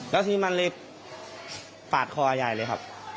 แล้วทีนี้มันเลยปาดคอยายเลยครับ